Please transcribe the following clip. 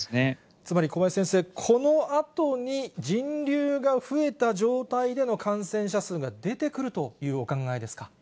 ―つまり、小林先生、このあとに、人流が増えた状態での感染者数が出てくるというお考えですか？